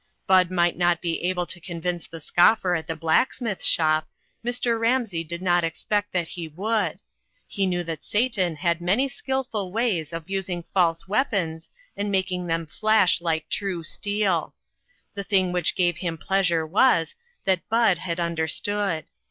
Bud might not be able to convince the scoffer at the black smith's shop ; Mr. Ramsey did not expect that he would ; he knew that Satan had many skillful ways of using false weapons and making them flash like true steel. The thing which gave him pleasure was, that Bud had understood.